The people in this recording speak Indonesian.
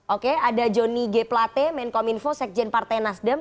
oke ada joni g plate menkominfo sekjen partai nasdem